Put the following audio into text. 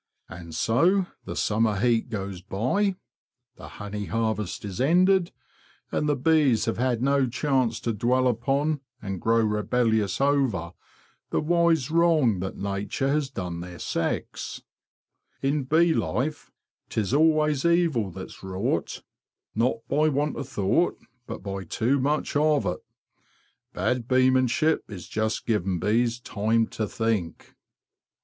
And so the summer heat goes by; the honey harvest is ended; and the bees have had no chance to dwell upon, and grow rebellious over, the wise wrong that nature has done their sex. In bee life 'tis always evil that's A NATURAL HONEY BEES' AUTOCRAT OF THE BEE GARDEN 193 wrought, not by want o' thought, but by too much of it. Bad beemanship is just giving bees time to think."